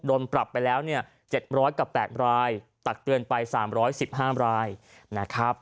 โดนปรับไปแล้วเนี่ย๗๐๐กับ๘รายตักเตือนไป๓๑๕รายนะครับ